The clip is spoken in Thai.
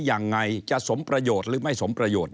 ยังไงจะสมประโยชน์หรือไม่สมประโยชน์